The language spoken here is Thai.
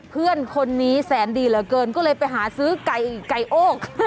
เพื่อนคนนี้แสนดีเหลือเกินก็เลยไปหาซื้อไก่ไก่โอ้